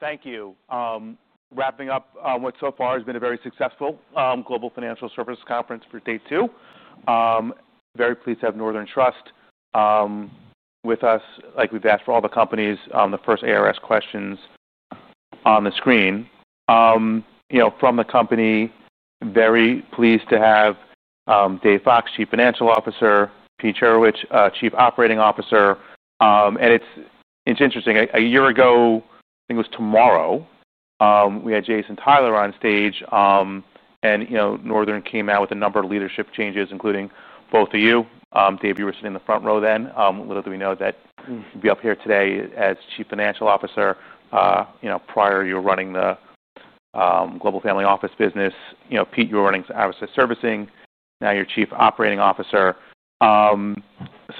Thank you. Wrapping up what so far has been a very successful Global Financial Services Conference for day two. Very pleased to have Northern Trust with us, like we've asked for all the companies on the first ARS questions on the screen. You know, from the company, very pleased to have Dave Fox, Chief Financial Officer, Peter Cherecwich, Chief Operating Officer. It's interesting, a year ago, I think it was tomorrow, we had Jason Tyler on stage. You know, Northern came out with a number of leadership changes, including both of you. Dave, you were sitting in the front row then. Little did we know that you'd be up here today as chief financial officer. You know, prior, you were running the Global F amily Office business. You know, Pete, you were running oversight servicing. Now you're chief operating officer.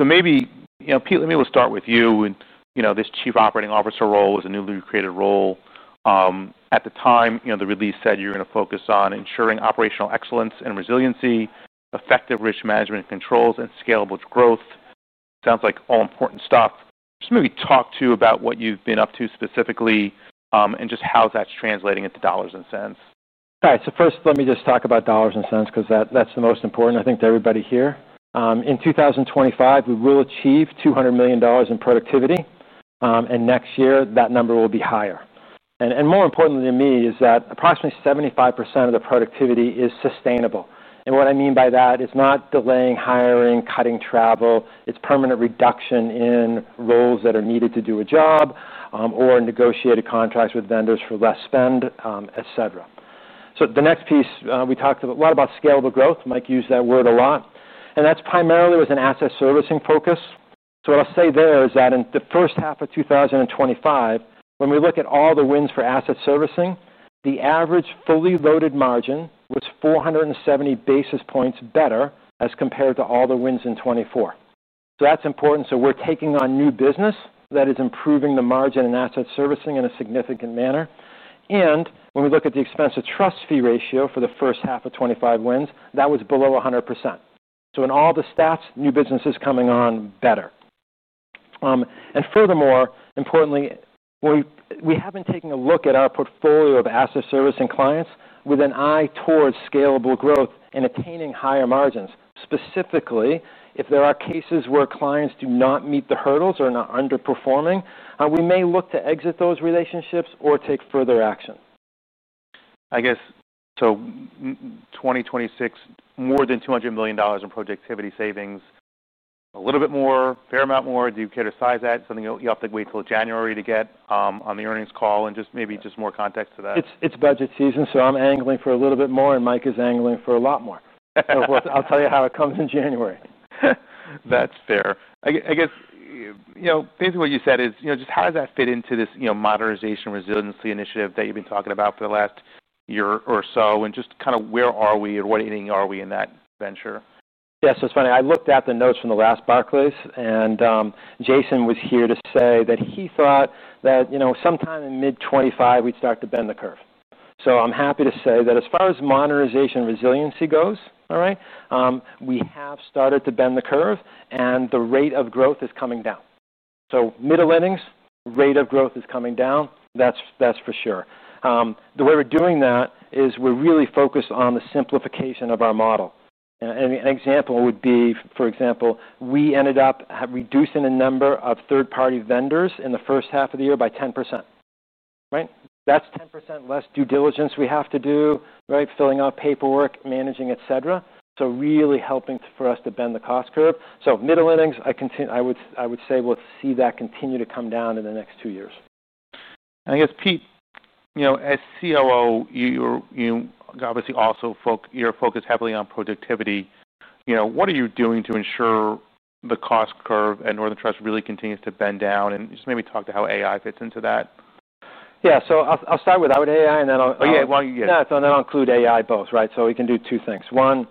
Maybe, you know, Pete, let me start with you. This chief operating officer role is a newly created role. At the time, the release said you're going to focus on ensuring operational excellence and resiliency, effective risk management and controls, and scalable growth. Sounds like all important stuff. Just maybe talk to about what you've been up to specifically and just how that's translating into dollars and cents. All right. First, let me just talk about dollars and cents, because that's the most important, I think, to everybody here. In 2025, we will achieve $200 million in productivity. Next year, that number will be higher. More importantly to me is that approximately 75% of the productivity is sustainable. What I mean by that is not delaying hiring or cutting travel. It's permanent reduction in roles that are needed to do a job or negotiated contracts with vendors for less spend, etc. The next piece, we talked a lot about scalable growth. Mike used that word a lot, and that primarily was an asset servicing focus. What I'll say there is that in the first half of 2025, when we look at all the wins for asset servicing, the average fully loaded margin was 470 basis points better as compared to all the wins in 2024. That's important. We're taking on new business that is improving the margin in asset servicing in a significant manner. When we look at the expense to trust fee ratio for the first half of 2025 wins, that was below 100%. In all the stats, new business is coming on better. Furthermore, importantly, we have been taking a look at our portfolio of asset servicing clients with an eye towards scalable growth and attaining higher margins. Specifically, if there are cases where clients do not meet the hurdles or are underperforming, we may look to exit those relationships or take further action. In 2026, more than $200 million in productivity savings, a little bit more, a fair amount more. Do you care to size that? Something you'll have to wait till January to get on the earnings call? Maybe just more context to that. It's budget season. I'm angling for a little bit more, and Mike is angling for a lot more. I'll tell you how it comes in January. That's fair. I guess, basically what you said is just how does that fit into this modernization resiliency initiative that you've been talking about for the last year or so? Just kind of where are we or what inning are we in that venture? Yeah, so it's funny. I looked at the notes from the last Barclays, and Jason was here to say that he thought that, you know, sometime in mid- 2025, we'd start to bend the curve. I'm happy to say that as far as modernization resiliency goes, we have started to bend the curve, and the rate of growth is coming down. Middle earnings, rate of growth is coming down. That's for sure. The way we're doing that is we're really focused on the simplification of our model. An example would be, for example, we ended up reducing the number of third-party vendors in the first half of the year by 10%. That's 10% less due diligence we have to do, filling out paperwork, managing, etc. Really helping for us to bend the cost curve. Middle earnings, I would say we'll see that continue to come down in the next two years. I guess, Pete, you know, as COO, you're obviously also focused heavily on productivity. What are you doing to ensure the cost curve at Northern Trust really continues to bend down? Maybe talk to how AI fits into that. Yeah, I'll start with AI, and then I'll-- Yeah, while you get-- Yeah, so then I'll include AI both, right? We can do two things. One,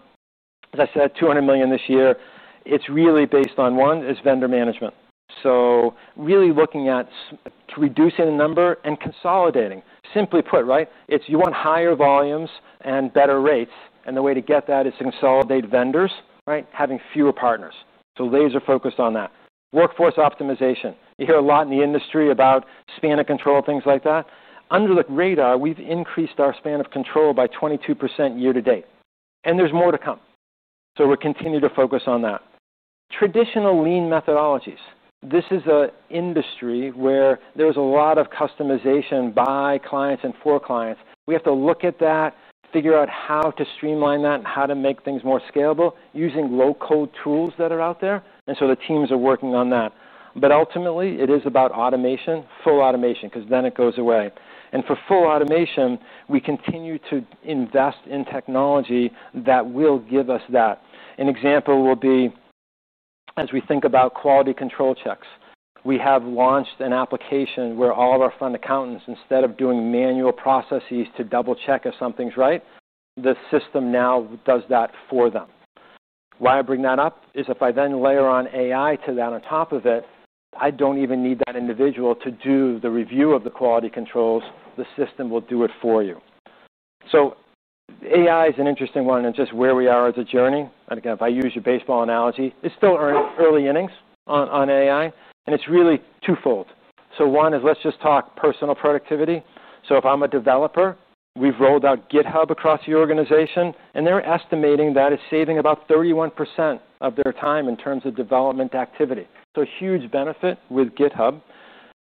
as I said, $200 million this year, it's really based on, one, vendor management. Really looking at reducing the number and consolidating. Simply put, you want higher volumes and better rates. The way to get that is to consolidate vendors, having fewer partners. Laser-focused on that. Workforce optimization. You hear a lot in the industry about span of control, things like that. Under the radar, we've increased our span of control by 22% year to date, and there's more to come. We continue to focus on that. Traditional lean methodologies. This is an industry where there's a lot of customization by clients and for clients. We have to look at that, figure out how to streamline that, and how to make things more scalable using local tools that are out there. The teams are working on that. Ultimately, it is about automation, full automation, because then it goes away. For full automation, we continue to invest in technology that will give us that. An example will be, as we think about quality control checks, we have launched an application where all of our fund accountants, instead of doing manual processes to double-check if something's right, the system now does that for them. Why I bring that up is if I then layer on AI to that on top of it, I don't even need that individual to do the review of the quality controls. The system will do it for you. AI is an interesting one. It's just where we are as a journey. Again, if I use your baseball analogy, it's still early innings on AI. It's really twofold. One is let's just talk personal productivity. If I'm a developer, we've rolled out GitHub across the organization, and they're estimating that it's saving about 31% of their time in terms of development activity. A huge benefit with GitHub.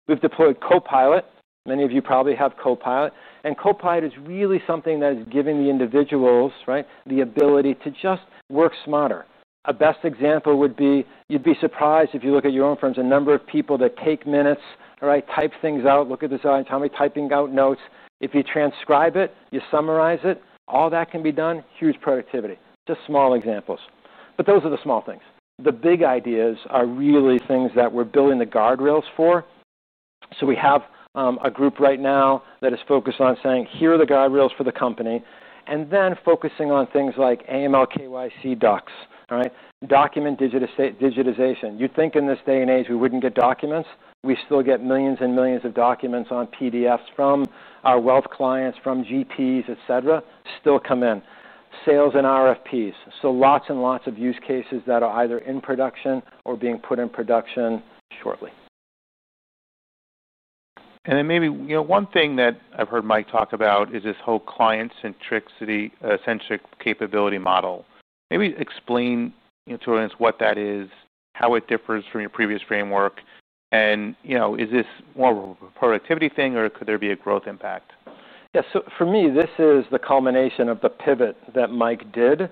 We've deployed Copilot. Many of you probably have Copilot, and Copilot is really something that is giving the individuals the ability to just work smarter. A best example would be, you'd be surprised if you look at your own firms, the number of people that take minutes, type things out, look at the side and tell me typing out notes. If you transcribe it, you summarize it, all that can be done, huge productivity. Just small examples. Those are the small things. The big ideas are really things that we're building the guardrails for. We have a group right now that is focused on saying, here are the guardrails for the company, and then focusing on things like AML/KYC docs, document digitization. You'd think in this day and age we wouldn't get documents. We still get millions and millions of documents on PDFs from our wealth clients, from GPs, et cetera, still come in. Sales and RFPs. Lots and lots of use cases that are either in production or being put in production shortly. Maybe, you know, one thing that I've heard Mike talk about is this whole client-centric capability model. Maybe explain to our audience what that is, how it differs from your previous framework. You know, is this more of a productivity thing, or could there be a growth impact? Yeah, so for me, this is the culmination of the pivot that Mike did,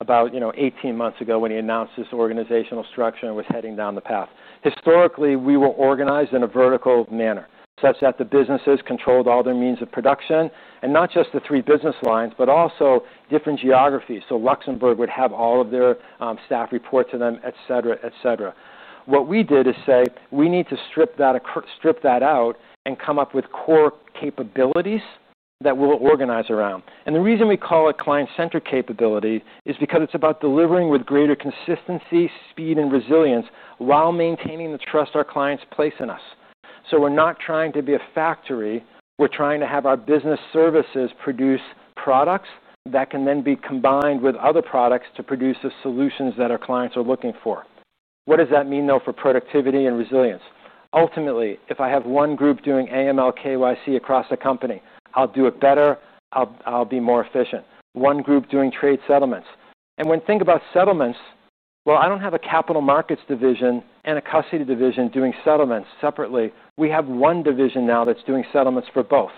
about 18 months ago when he announced this organizational structure and was heading down the path. Historically, we were organized in a vertical manner, such that the businesses controlled all their means of production, and not just the three business lines, but also different geographies. Luxembourg would have all of their staff report to them, et cetera, et cetera. What we did is say, we need to strip that out and come up with core capabilities that we'll organize around. The reason we call it client-centric capability is because it's about delivering with greater consistency, speed, and resilience while maintaining the trust our clients place in us. We're not trying to be a factory. We're trying to have our business services produce products that can then be combined with other products to produce the solutions that our clients are looking for. What does that mean, though, for productivity and resilience? Ultimately, if I have one group doing AML/KYC across the company, I'll do it better. I'll be more efficient. One group doing trade settlements. When you think about settlements, I don't have a capital markets division and a custody division doing settlements separately. We have one division now that's doing settlements for both.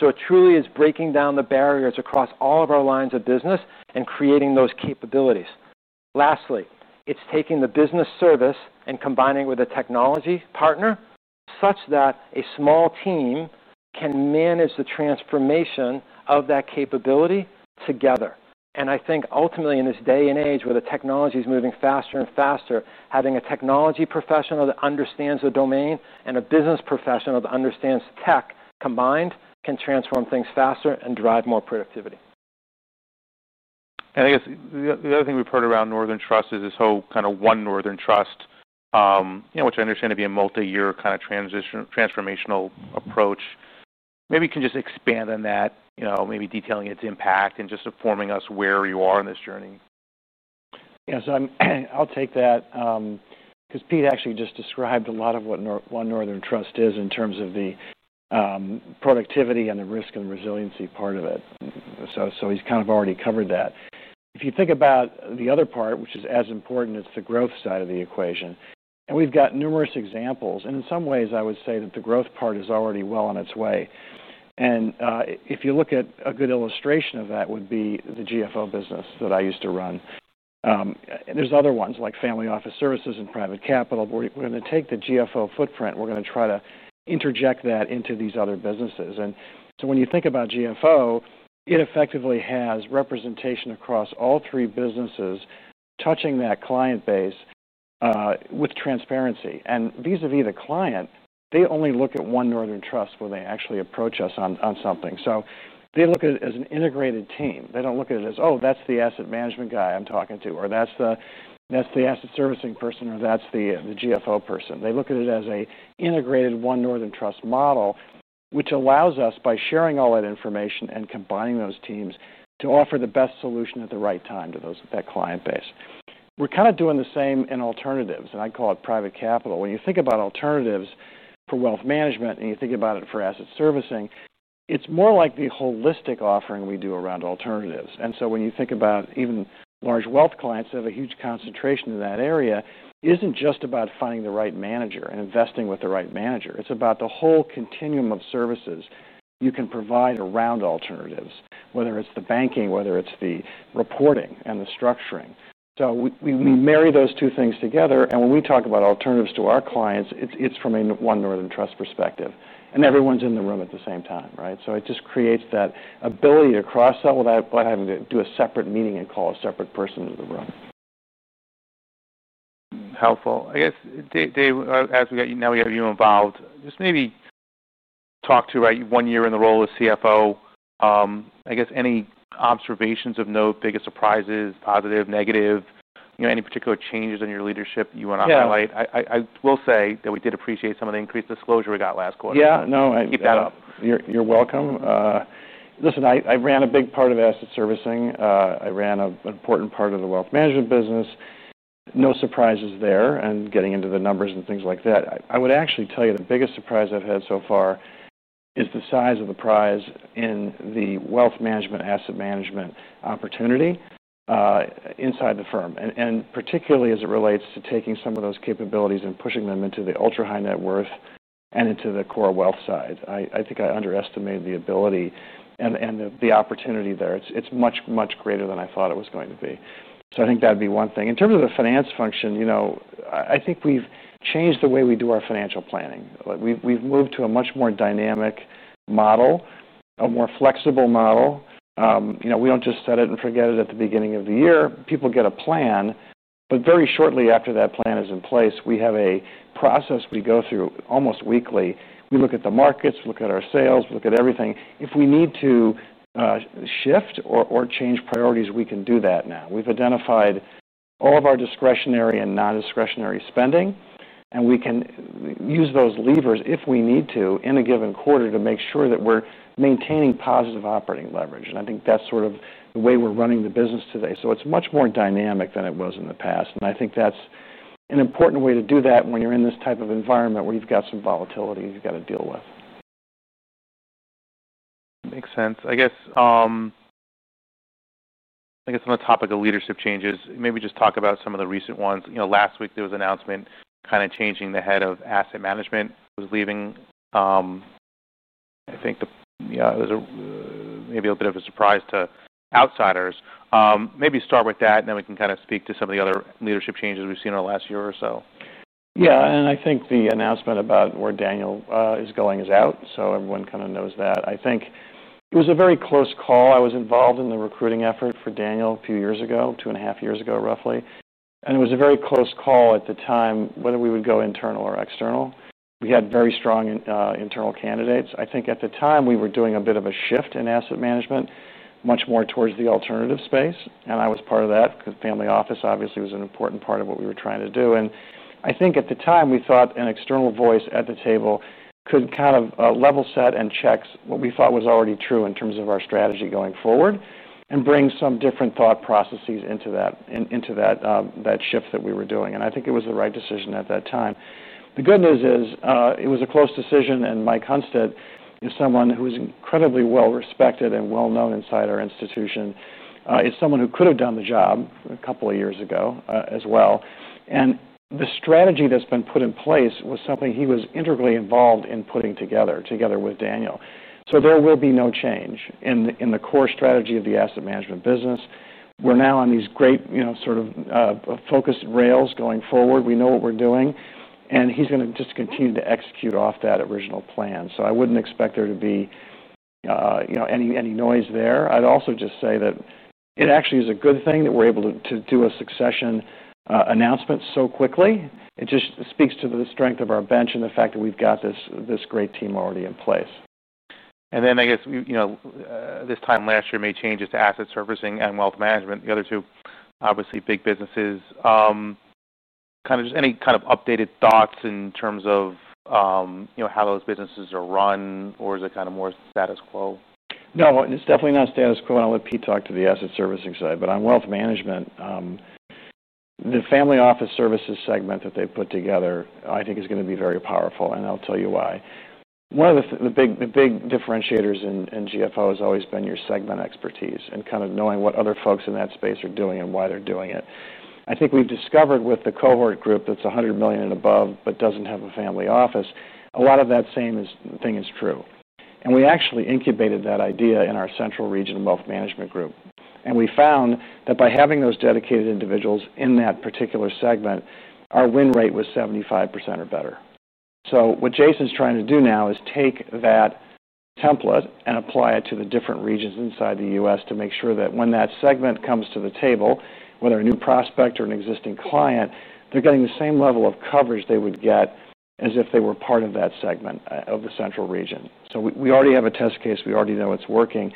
It truly is breaking down the barriers across all of our lines of business and creating those capabilities. Lastly, it's taking the business service and combining it with a technology partner such that a small team can manage the transformation of that capability together. I think ultimately, in this day and age where the technology is moving faster and faster, having a technology professional that understands the domain and a business professional that understands tech combined can transform things faster and drive more productivity. The other thing we've heard around Northern Trust is this whole kind One Northern Trust, which I understand to be a multi-year kind of transformational approach. Maybe you can just expand on that, maybe detailing its impact and just informing us where you are in this journey. Yeah, I'll take that, because Pete actually just described a lot of One Northern Trust is in terms of the productivity and the risk and resiliency part of it. He's kind of already covered that. If you think about the other part, which is as important, it's the growth side of the equation. We've got numerous examples. In some ways, I would say that the growth part is already well on its way. If you look at a good illustration of that, it would be the GFO business that I used to run. There are other ones like family office services and private capital. We're going to take the GFO footprint and try to interject that into these other businesses. When you think about GFO, it effectively has representation across all three businesses touching that client base with transparency. Vis-à-vis the client, they only look One Northern Trust when they actually approach us on something. They look at it as an integrated team. They don't look at it as, oh, that's the asset management guy I'm talking to, or that's the asset servicing person, or that's the GFO person. They look at it as an One Northern Trust model, which allows us, by sharing all that information and combining those teams, to offer the best solution at the right time to that client base. We're kind of doing the same in alternatives. I call it private capital. When you think about alternatives for wealth management and you think about it for asset servicing, it's more like the holistic offering we do around alternatives. When you think about even large wealth clients that have a huge concentration in that area, it isn't just about finding the right manager and investing with the right manager. It's about the whole continuum of services you can provide around alternatives, whether it's the banking, the reporting, and the structuring. We marry those two things together. When we talk about alternatives to our clients, it's from One Northern Trust perspective. Everyone's in the room at the same time, right? It just creates that ability to cross-sell without having to do a separate meeting and call a separate person to the room. Helpful. Dave, as we know you involved, just maybe talk to, right, one year in the role of CFO. Any observations of note, biggest surprises, positive, negative, any particular changes in your leadership you want to highlight? I will say that we did appreciate some of the increased disclosure we got last quarter. Yeah, no, you're welcome. Listen, I ran a big part of asset servicing. I ran an important part of the wealth management business. No surprises there. Getting into the numbers and things like that, I would actually tell you the biggest surprise I've had so far is the size of the prize in the wealth management, asset management opportunity inside the firm, and particularly as it relates to taking some of those capabilities and pushing them into the ultra-high-net-worth and into the core wealth side. I think I underestimated the ability and the opportunity there. It's much, much greater than I thought it was going to be. I think that'd be one thing. In terms of the finance function, I think we've changed the way we do our financial planning. We've moved to a much more dynamic model, a more flexible model. We don't just set it and forget it at the beginning of the year. People get a plan, but very shortly after that plan is in place, we have a process we go through almost weekly. We look at the markets, we look at our sales, we look at everything. If we need to shift or change priorities, we can do that now. We've identified all of our discretionary and non-discretionary spending, and we can use those levers, if we need to, in a given quarter to make sure that we're maintaining positive operating leverage. I think that's sort of the way we're running the business today. It's much more dynamic than it was in the past. I think that's an important way to do that when you're in this type of environment where you've got some volatility you've got to deal with. Makes sense. On the topic of leadership changes, maybe just talk about some of the recent ones. Last week there was an announcement kind of changing the head of asset management who's leaving. I think it was maybe a little bit of a surprise to outsiders. Maybe start with that, and then we can kind of speak to some of the other leadership changes we've seen in the last year or so. Yeah, I think the announcement about where Daniel is going is out. Everyone kind of knows that. I think it was a very close call. I was involved in the recruiting effort for Daniel a few years ago, two and a half years ago, roughly. It was a very close call at the time whether we would go internal or external. We had very strong internal candidates. I think at the time we were doing a bit of a shift in asset management, much more towards the alternative space. I was part of that because family office obviously was an important part of what we were trying to do. I think at the time we thought an external voice at the table could kind of level set and check what we thought was already true in terms of our strategy going forward and bring some different thought processes into that shift that we were doing. I think it was the right decision at that time. The good news is it was a close decision. Mike Hunstad is someone who's incredibly well-respected and well-known inside our institution, is someone who could have done the job a couple of years ago as well. The strategy that's been put in place was something he was integrally involved in putting together, together with Daniel. There will be no change in the core strategy of the asset management business. We're now on these great, you know, sort of focused rails going forward. We know what we're doing. He's going to just continue to execute off that original plan. I wouldn't expect there to be any noise there. I'd also just say that it actually is a good thing that we're able to do a succession announcement so quickly. It just speaks to the strength of our bench and the fact that we've got this great team already in place. Last year, you made changes to asset servicing and wealth management, the other two obviously big businesses. Any updated thoughts in terms of how those businesses are run, or is it more status quo? No, it's definitely not status quo. I'll let Pete talk to the asset servicing side. On wealth management, the family office services segment that they put together, I think, is going to be very powerful. I'll tell you why. One of the big differentiators in GFO has always been your segment expertise and kind of knowing what other folks in that space are doing and why they're doing it. I think we've discovered with the cohort group that's $100 million and above but doesn't have a family office, a lot of that same thing is true. We actually incubated that idea in our Central Regional Wealth Management group. We found that by having those dedicated individuals in that particular segment, our win rate was 75% or better. What Jason's trying to do now is take that template and apply it to the different regions inside the U.S. to make sure that when that segment comes to the table, whether a new prospect or an existing client, they're getting the same level of coverage they would get as if they were part of that segment of the Central Region. We already have a test case. We already know it's working.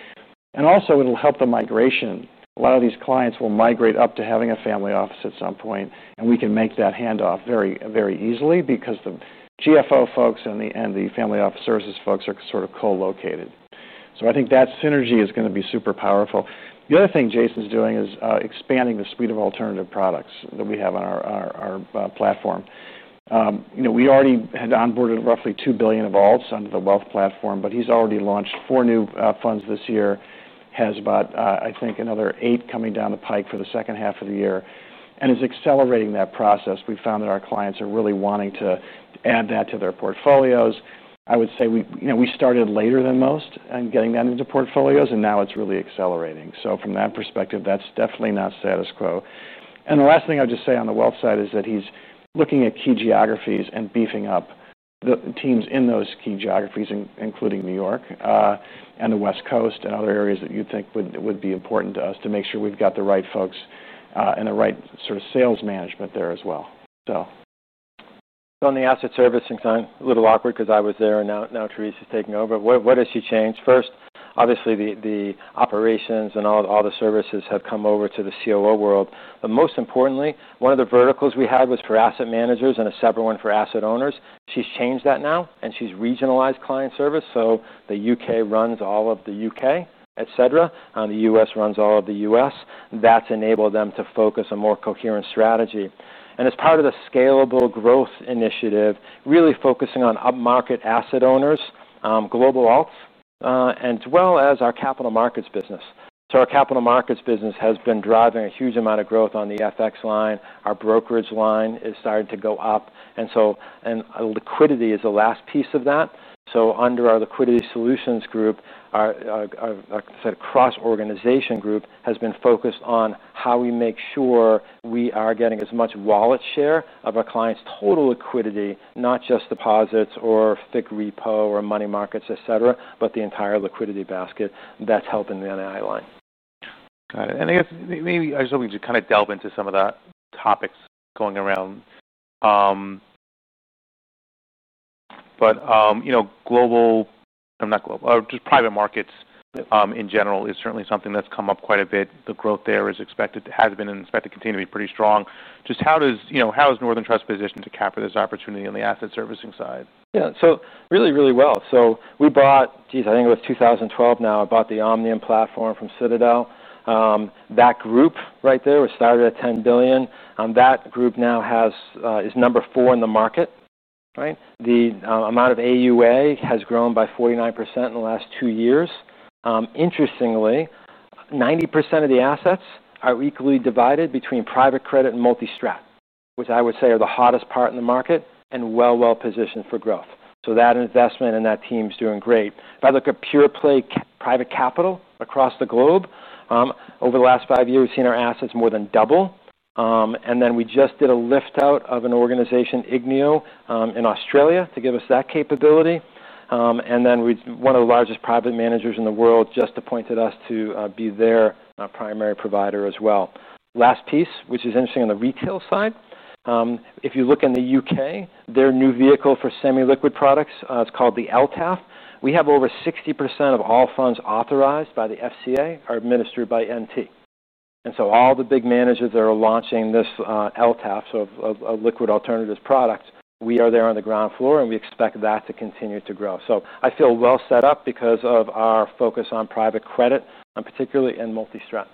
It will help the migration. A lot of these clients will migrate up to having a family office at some point. We can make that handoff very, very easily because the GFO folks and the family office services folks are sort of co-located. I think that synergy is going to be super powerful. The other thing Jason's doing is expanding the suite of alternative products that we have on our platform. We already had onboarded roughly $2 billion of alts onto the wealth platform. He's already launched four new funds this year, has about, I think, another eight coming down the pike for the second half of the year, and is accelerating that process. We found that our clients are really wanting to add that to their portfolios. I would say we started later than most in getting that into portfolios. Now it's really accelerating. From that perspective, that's definitely not status quo. The last thing I would just say on the wealth side is that he's looking at key geographies and beefing up the teams in those key geographies, including New York and the West Coast and other areas that you'd think would be important to us to make sure we've got the right folks and the right sort of sales management there as well. On the asset servicing side, a little awkward because I was there, and now Teresa's taking over. What has she changed? First, obviously, the operations and all the services have come over to the COO world. Most importantly, one of the verticals we had was for asset managers and a separate one for asset owners. She's changed that now. She's regionalized client service. The U.K. runs all of the U.K., et cetera. The U.S. runs all of the U.S. That's enabled them to focus a more coherent strategy. As part of the scalable growth initiative, really focusing on upmarket asset owners, global alts, as well as our capital markets business. Our capital markets business has been driving a huge amount of growth on the FX line. Our brokerage line is starting to go up. Liquidity is the last piece of that. Under our liquidity solutions group, our cross-organization group has been focused on how we make sure we are getting as much wallet share of our clients' total liquidity, not just deposits or fixed repo or money markets, et cetera, but the entire liquidity basket that's helping the NII line. Yeah. Got it. I guess maybe I just hope we could just kind of delve into some of the topics going around. You know, global or not global or just private markets in general is certainly something that's come up quite a bit. The growth there has been and expected to continue to be pretty strong. Just how is Northern Trust positioned to capture this opportunity on the asset servicing side? Yeah. Really, really well. We bought, I think it was 2012 now, I bought the Omnium platform from Citadel. That group right there was started at $10 billion. That group now is number four in the market, right? The amount of AUA has grown by 49% in the last two years. Interestingly, 90% of the assets are equally divided between private credit and multi-strat, which I would say are the hottest part in the market and well positioned for growth. That investment and that team is doing great. If I look at pure play private capital across the globe, over the last five years, we've seen our assets more than double. We just did a liftout of an organization, Igneo, in Australia to give us that capability. One of the largest private managers in the world just appointed us to be their primary provider as well. Last piece, which is interesting on the retail side, if you look in the U.K., their new vehicle for semi-liquid products, it's called the LTAF. We have over 60% of all funds authorized by the FCA are administered by NT. All the big managers that are launching this LTAF, a liquid alternative product, we are there on the ground floor. We expect that to continue to grow. I feel well set up because of our focus on private credit, particularly in multi-strat.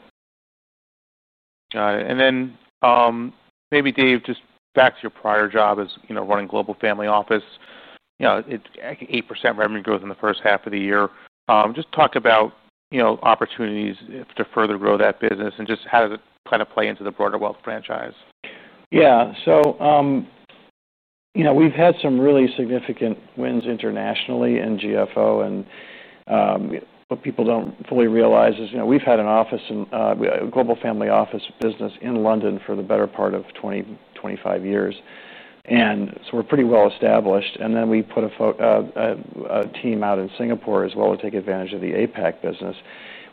Got it. Maybe, Dave, just back to your prior job as running Global Family Office, you know, 8% revenue growth in the first half of the year. Just talk about opportunities to further grow that business and just how does it kind of play into the broader wealth franchise. Yeah, so we've had some really significant wins internationally in GFO. What people don't fully realize is we've had an office and a Global Family Office business in London for the better part of 25 years, so we're pretty well established. We put a team out in Singapore as well to take advantage of the APAC business.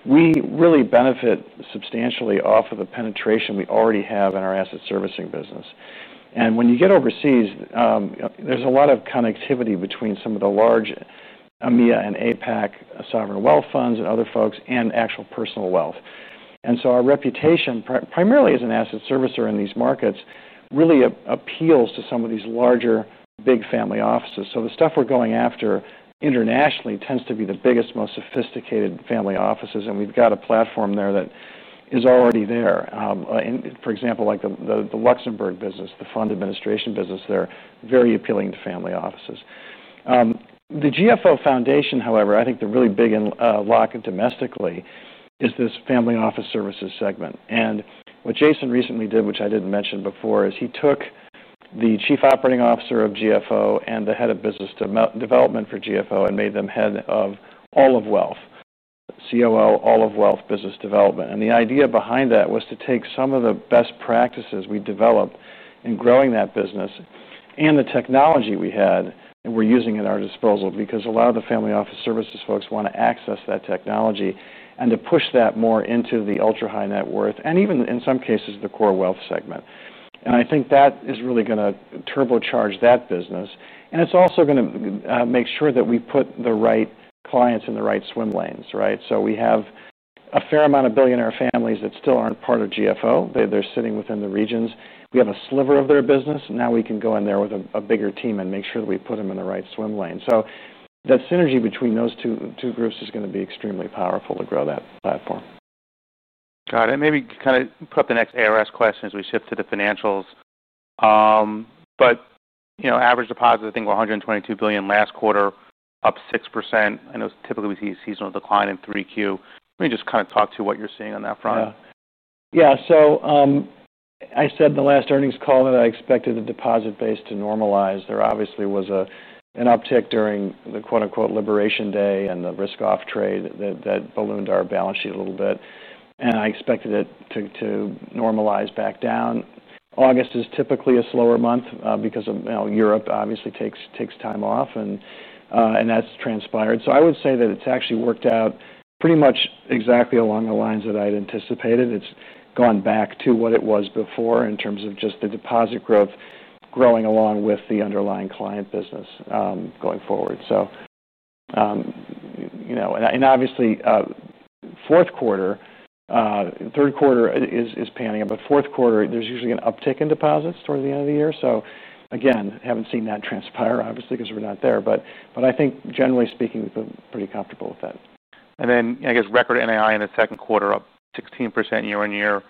We really benefit substantially off of the penetration we already have in our asset servicing business. When you get overseas, there's a lot of connectivity between some of the large EMEA and APAC sovereign wealth funds and other folks and actual personal wealth. Our reputation, primarily as an asset servicer in these markets, really appeals to some of these larger big family offices. The stuff we're going after internationally tends to be the biggest, most sophisticated family offices, and we've got a platform there that is already there. For example, the Luxembourg business, the fund administration business there, is very appealing to family offices. The GFO Foundation, however, I think the really big lock domestically is this family office services segment. What Jason recently did, which I didn't mention before, is he took the chief operating officer of GFO and the head of business development for GFO and made them head of All of Wealth, COO All of Wealth Business Development. The idea behind that was to take some of the best practices we developed in growing that business and the technology we had and we're using at our disposal because a lot of the family office services folks want to access that technology and to push that more into the ultra-high-net-worth and even in some cases the core wealth segment. I think that is really going to turbocharge that business. It's also going to make sure that we put the right clients in the right swim lanes, right? We have a fair amount of billionaire families that still aren't part of GFO. They're sitting within the regions. We have a sliver of their business. Now we can go in there with a bigger team and make sure that we put them in the right swim lane. That synergy between those two groups is going to be extremely powerful to grow that platform. Got it. Maybe kind of put up the next ARS question as we shift to the financials. You know, average deposit, I think, was $122 billion last quarter, up 6%. I know typically we see a seasonal decline in 3Q. Maybe just kind of talk to what you're seeing on that front. Yeah, yeah, I said in the last earnings call that I expected the deposit base to normalize. There obviously was an uptick during the quote unquote "liberation day" and the risk-off trade that ballooned our balance sheet a little bit. I expected it to normalize back down. August is typically a slower month because Europe obviously takes time off, and that's transpired. I would say that it's actually worked out pretty much exactly along the lines that I'd anticipated. It's gone back to what it was before in terms of just the deposit growth growing along with the underlying client business going forward. Obviously, third quarter is panning out. Fourth quarter, there's usually an uptick in deposits towards the end of the year. I haven't seen that transpire, obviously, because we're not there. I think generally speaking, I'm pretty comfortable with that. I guess record NII in the second quarter, up 16% year-on- year.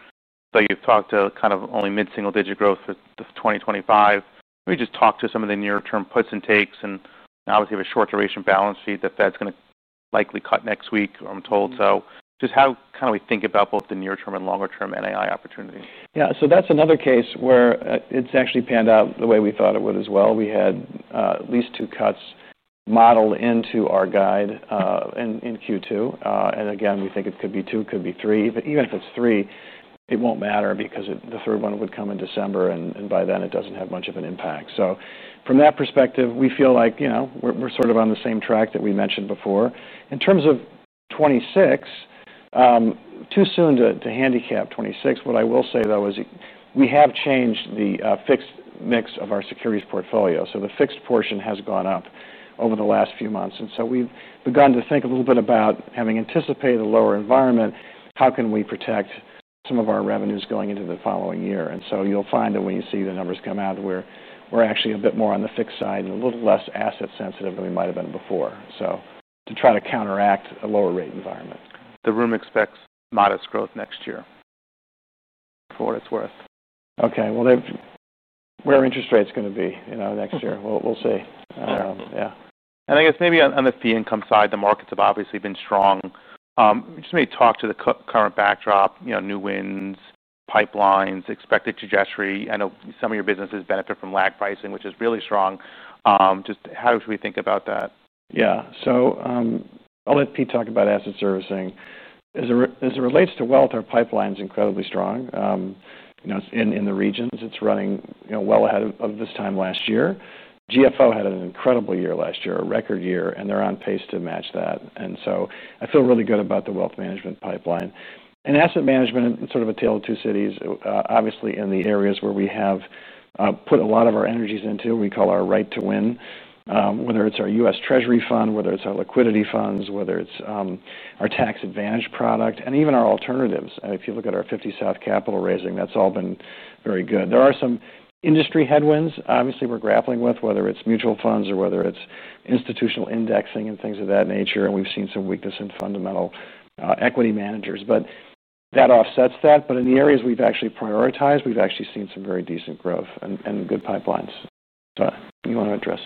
You've talked to kind of only mid-single-digit growth for 2025. Maybe just talk to some of the near-term puts and takes. Obviously, we have a short duration balance sheet that's going to likely cut next week, I'm told. How can we think about both the near-term and longer-term NII opportunities? Yeah, so that's another case where it's actually panned out the way we thought it would as well. We had at least two cuts modeled into our guide in Q2. We think it could be two, could be three. Even if it's three, it won't matter because the third one would come in December. By then, it doesn't have much of an impact. From that perspective, we feel like, you know, we're sort of on the same track that we mentioned before. In terms of 2026, too soon to handicap 2026. What I will say, though, is we have changed the fixed mix of our securities portfolio. The fixed portion has gone up over the last few months. We've begun to think a little bit about having anticipated a lower environment, how can we protect some of our revenues going into the following year? You'll find that when you see the numbers come out, we're actually a bit more on the fixed side and a little less asset-sensitive than we might have been before to try to counteract a lower rate environment. The room expects modest growth next year, for what it's worth. OK, where are interest rates going to be next year? We'll see. I guess maybe on the fee income side, the markets have obviously been strong. Just maybe talk to the current backdrop, you know, new wins, pipelines, expected trajectory. I know some of your businesses benefit from lag pricing, which is really strong. Just how should we think about that? Yeah, I'll let Pete talk about asset servicing. As it relates to wealth, our pipeline is incredibly strong. In the regions, it's running well ahead of this time last year. GFO had an incredible year last year, a record year, and they're on pace to match that. I feel really good about the wealth management pipeline. Asset management is sort of a tale of two cities, obviously, in the areas where we have put a lot of our energies into, we call our right to win, whether it's our U.S. Treasury Fund, our liquidity funds, our tax advantage product, and even our alternatives. If you look at our 50 South capital raising, that's all been very good. There are some industry headwinds, obviously, we're grappling with, whether it's mutual funds or institutional indexing and things of that nature. We've seen some weakness in fundamental equity managers. That offsets that. In the areas we've actually prioritized, we've actually seen some very decent growth and good pipelines. Do you want to address?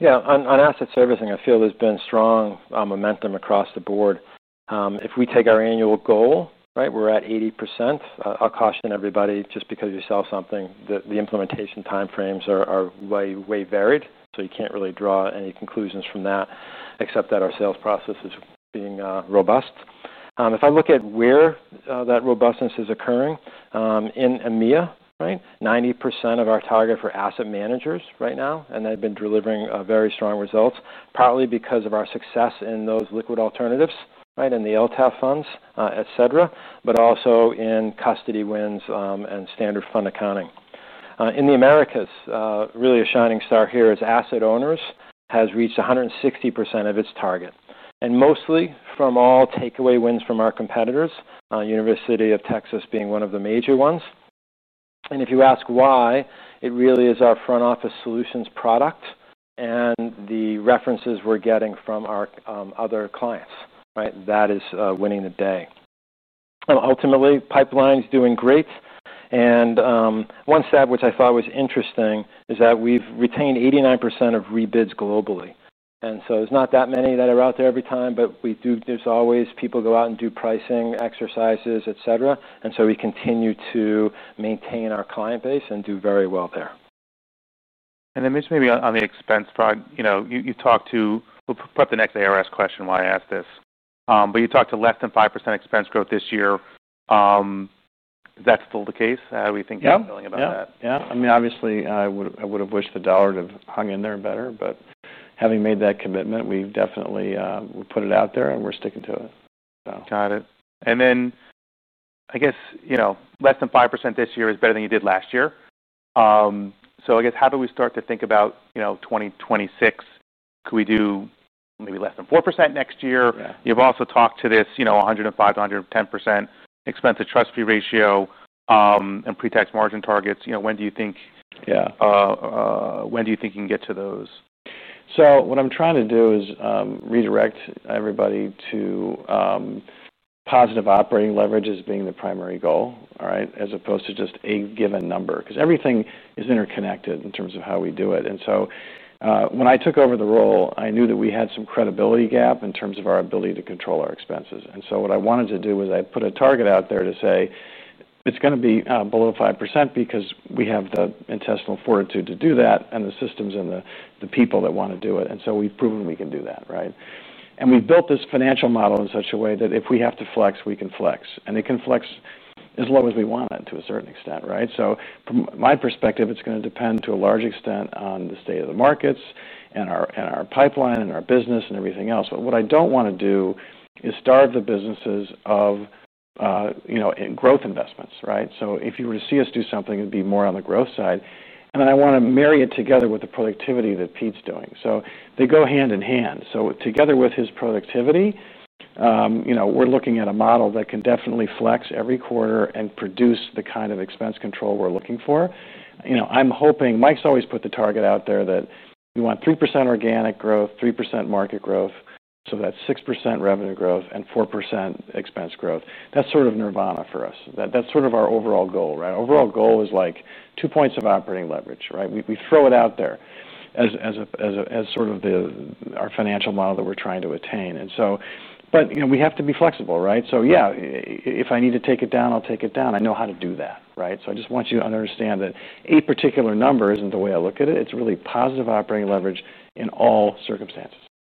Yeah, on asset servicing, I feel there's been strong momentum across the board. If we take our annual goal, right, we're at 80%. I'll caution everybody, just because you sell something, the implementation time frames are way varied. You can't really draw any conclusions from that, except that our sales process is being robust. If I look at where that robustness is occurring, in AMIA, right, 90% of our target for asset managers right now. They've been delivering very strong results, partly because of our success in those liquid alternatives, in the LTAF funds, et cetera, but also in custody wins and standard fund accounting. In the Americas, really a shining star here is asset owners have reached 160% of its target, mostly from all takeaway wins from our competitors, University of Texas being one of the major ones. If you ask why, it really is our front office solutions product and the references we're getting from our other clients, that is winning the day. Ultimately, pipeline's doing great. One stat which I thought was interesting is that we've retained 89% of rebids globally. It's not that many that are out there every time, but there's always people go out and do pricing exercises, et cetera. We continue to maintain our client base and do very well there. On the expense front, you've talked to less than 5% expense growth this year. That's still the case? How do we think about that? Yeah, I mean, obviously, I would have wished the dollar would have hung in there better. Having made that commitment, we definitely put it out there, and we're sticking to it. Got it. I guess, you know, less than 5% this year is better than you did last year. I guess how do we start to think about, you know, 2026? Could we do maybe less than 4% next year? You've also talked to this 105%- 110% expense-to-trust fee ratio and pre-tax margin targets. When do you think you can get to those? What I'm trying to do is redirect everybody to positive operating leverage as being the primary goal, as opposed to just a given number. Everything is interconnected in terms of how we do it. When I took over the role, I knew that we had some credibility gap in terms of our ability to control our expenses. What I wanted to do was put a target out there to say it's going to be below 5% because we have the intestinal fortitude to do that and the systems and the people that want to do it. We've proven we can do that, right? We've built this financial model in such a way that if we have to flex, we can flex. It can flex as low as we want it to a certain extent, right? From my perspective, it's going to depend to a large extent on the state of the markets and our pipeline and our business and everything else. What I don't want to do is starve the businesses of growth investments, right? If you were to see us do something, it'd be more on the growth side. I want to marry it together with the productivity that Pete's doing. They go hand in hand. Together with his productivity, we're looking at a model that can definitely flex every quarter and produce the kind of expense control we're looking for. I'm hoping Mike's always put the target out there that we want 3% organic growth, 3% market growth. That's 6% revenue growth and 4% expense growth. That's sort of nirvana for us. That's sort of our overall goal, right? Overall goal is like two points of operating leverage, right? We throw it out there as sort of our financial model that we're trying to attain. We have to be flexible, right? If I need to take it down, I'll take it down. I know how to do that, right? I just want you to understand that a particular number isn't the way I look at it. It's really positive operating leverage in all circumstances.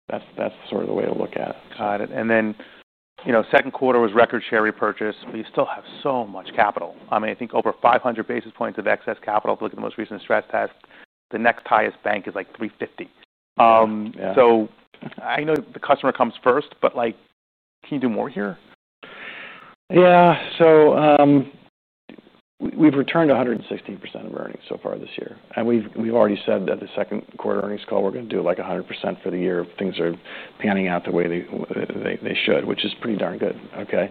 That's sort of the way to look at it. Got it. The second quarter was record share repurchase, but you still have so much capital. I mean, I think over 500 basis points of excess capital. If you look at the most recent stress test, the next highest bank is like $350. I know the customer comes first, but can you do more here? Yeah, so we've returned 116% of earnings so far this year. We've already said at the second quarter earnings call we're going to do like 100% for the year if things are panning out the way they should, which is pretty darn good, OK?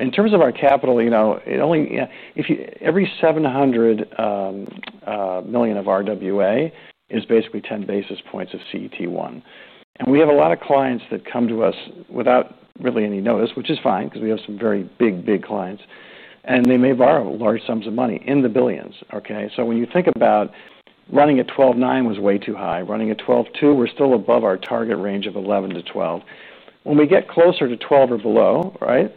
In terms of our capital, it only—every $700 million of RWA is basically 10 basis points of CET1. We have a lot of clients that come to us without really any notice, which is fine, because we have some very big, big clients. They may borrow large sums of money in the billions, OK? When you think about running at $12.9, it was way too high. Running at $12.2, we're still above our target range of $11- $12. When we get closer to $12 or below, right,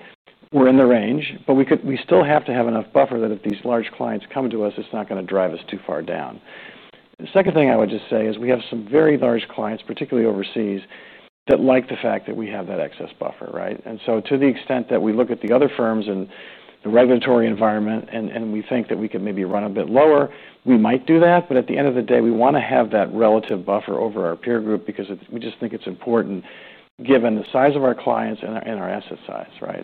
we're in the range. We still have to have enough buffer that if these large clients come to us, it's not going to drive us too far down. The second thing I would just say is we have some very large clients, particularly overseas, that like the fact that we have that excess buffer, right? To the extent that we look at the other firms and the regulatory environment and we think that we could maybe run a bit lower, we might do that. At the end of the day, we want to have that relative buffer over our peer group because we just think it's important given the size of our clients and our asset size, right?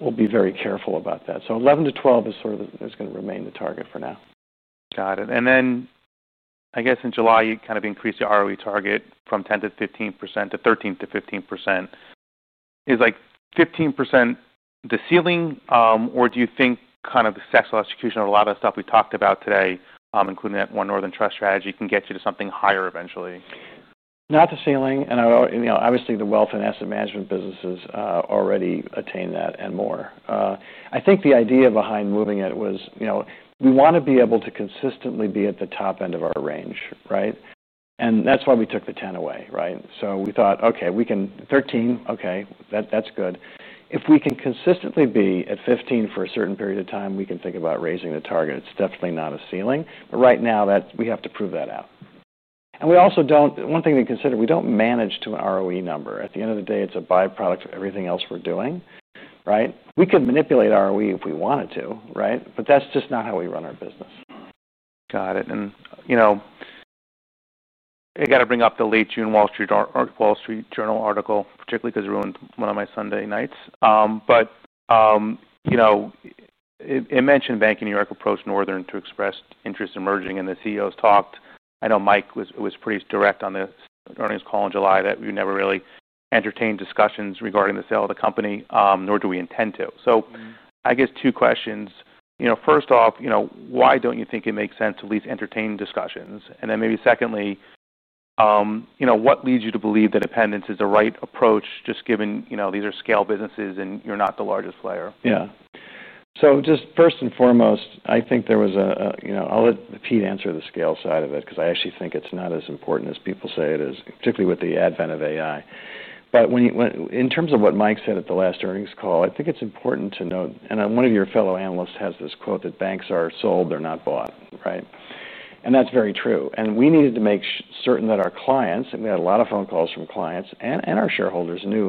We'll be very careful about that. $11- $12 is sort of going to remain the target for now. Got it. In July, you kind of increased your ROE target from 10% to 15% to 13% to 15%. Is 15% the ceiling, or do you think kind of the successful execution of a lot of the stuff we talked about today, including One Northern Trust strategy, can get you to something higher eventually? Not the ceiling. Obviously, the wealth and asset management businesses already attain that and more. I think the idea behind moving it was, we want to be able to consistently be at the top end of our range, right? That's why we took the 10% away, right? We thought, OK, we can 13%, OK. That's good. If we can consistently be at 15% for a certain period of time, we can think about raising the target. It's definitely not a ceiling. Right now, we have to prove that out. One thing to consider, we don't manage to an ROE number. At the end of the day, it's a byproduct of everything else we're doing, right? We could manipulate ROE if we wanted to, right? That's just not how we run our business. Got it. I got to bring up the late June Wall Street Journal article, particularly because it ruined one of my Sunday nights. It mentioned Bank of New York approached Northern Trust to express interest in merging, and the CEOs talked. I know Mike was pretty direct on the earnings call in July that we never really entertained discussions regarding the sale of the company, nor do we intend to. I guess two questions. First off, why don't you think it makes sense to at least entertain discussions? Maybe secondly, what leads you to believe that independence is the right approach, just given these are scale businesses and you're not the largest player? Yeah, so just first and foremost, I think there was a—I’ll let Pete answer the scale side of it because I actually think it’s not as important as people say it is, particularly with the advent of AI. In terms of what Mike said at the last earnings call, I think it’s important to note, and one of your fellow analysts has this quote that banks are sold, they’re not bought, right? That’s very true. We needed to make certain that our clients, and we had a lot of phone calls from clients and our shareholders, knew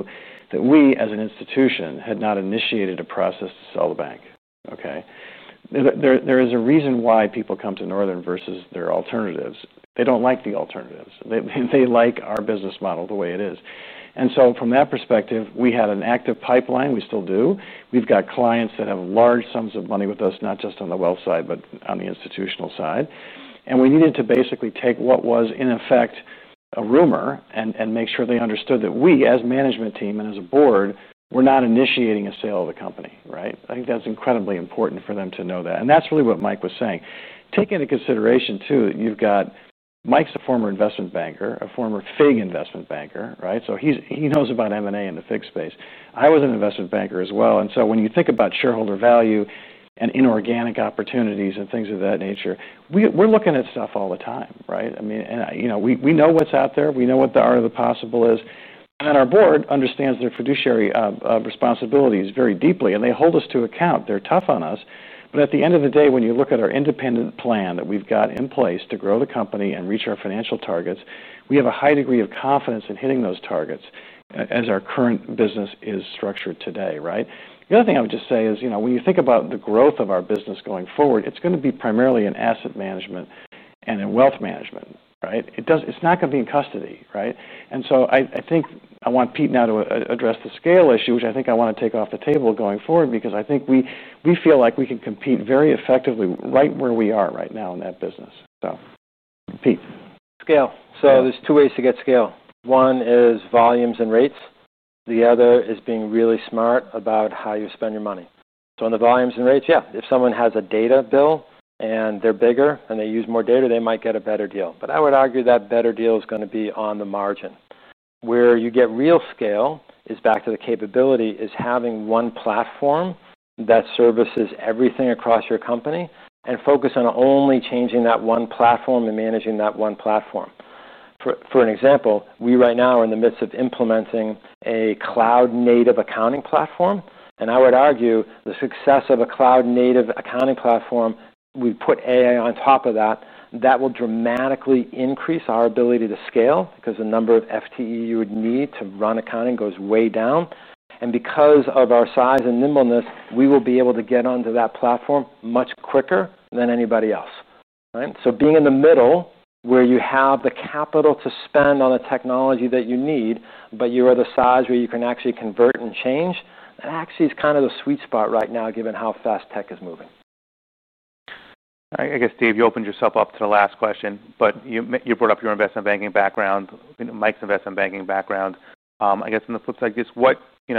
that we, as an institution, had not initiated a process to sell the bank, OK? There is a reason why people come to Northern versus their alternatives. They don’t like the alternatives. They like our business model the way it is. From that perspective, we had an active pipeline. We still do. We’ve got clients that have large sums of money with us, not just on the wealth side, but on the institutional side. We needed to basically take what was, in effect, a rumor and make sure they understood that we, as a management team and as a board, were not initiating a sale of the company, right? I think that’s incredibly important for them to know that. That’s really what Mike was saying. Take into consideration, too, that you’ve got Mike’s a former investment banker, a former FIG investment banker, right? He knows about M&A in the FIG space. I was an investment banker as well. When you think about shareholder value and inorganic opportunities and things of that nature, we’re looking at stuff all the time, right? I mean, and you know, we know what’s out there. We know what the art of the possible is. Our board understands their fiduciary responsibilities very deeply. They hold us to account. They’re tough on us. At the end of the day, when you look at our independent plan that we’ve got in place to grow the company and reach our financial targets, we have a high degree of confidence in hitting those targets as our current business is structured today, right? The other thing I would just say is, you know, when you think about the growth of our business going forward, it’s going to be primarily in asset management and in wealth management, right? It’s not going to be in custody, right? I think I want Pete now to address the scale issue, which I think I want to take off the table going forward, because I think we feel like we can compete very effectively right where we are right now in that business. So, Pete. Scale. There are two ways to get scale. One is volumes and rates. The other is being really smart about how you spend your money. In the volumes and rates, if someone has a data bill and they're bigger and they use more data, they might get a better deal. I would argue that better deal is going to be on the margin. Where you get real scale is back to the capability of having one platform that services everything across your company and focus on only changing that one platform and managing that one platform. For example, we right now are in the midst of implementing a cloud-native accounting platform. I would argue the success of a cloud-native accounting platform, we put AI on top of that, that will dramatically increase our ability to scale because the number of FTE you would need to run accounting goes way down. Because of our size and nimbleness, we will be able to get onto that platform much quicker than anybody else, right? Being in the middle where you have the capital to spend on the technology that you need, but you are the size where you can actually convert and change, that actually is kind of the sweet spot right now given how fast tech is moving. I guess, Dave, you opened yourself up to the last question. You brought up your investment banking background, Mike's investment banking background. In the flip side of this,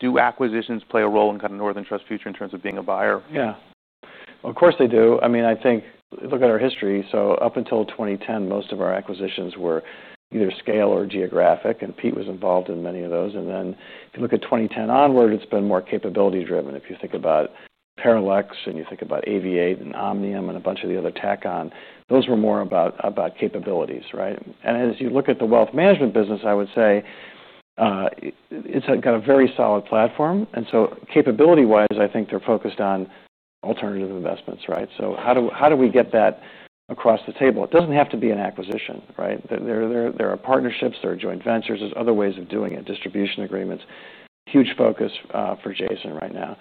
do acquisitions play a role in kind of Northern Trust's future in terms of being a buyer? Yeah, of course they do. I mean, I think look at our history. Up until 2010, most of our acquisitions were either scale or geographic. Pete was involved in many of those. If you look at 2010 onward, it's been more capability-driven. If you think about Paralex and you think about AV8 and Omnium and a bunch of the other tech, those were more about capabilities, right? As you look at the wealth management business, I would say it's got a very solid platform. Capability-wise, I think they're focused on alternative investments, right? How do we get that across the table? It doesn't have to be an acquisition, right? There are partnerships, joint ventures, and other ways of doing it, distribution agreements, huge focus for Jason right now.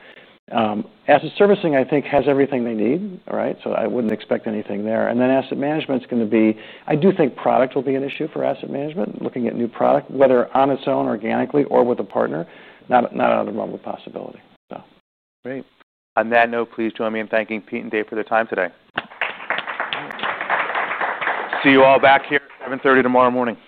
Asset servicing, I think, has everything they need, all right? I wouldn't expect anything there. Asset management is going to be, I do think product will be an issue for asset management, looking at new product, whether on its own organically or with a partner, not out of the realm of possibility. Great. On that note, please join me in thanking Pete and Dave for their time today. See you all back here at 7:30 tomorrow morning.